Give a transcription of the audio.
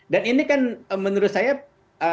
dan ini kan menurut saya akan berimbasan